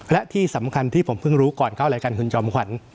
และที่สำคัญที่ผมเพิ่งรู้ก่อนเข้ารายการคุณจอมขวัญ